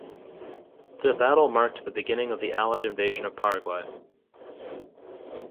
The battle marked the beginning of the Allied invasion of Paraguay.